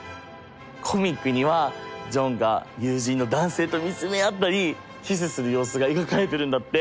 コミックにはジョンが友人の男性と見つめ合ったりキスする様子が描かれているんだって。